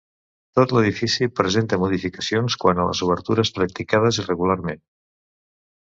Tot l'edifici presenta modificacions quant a les obertures, practicades irregularment.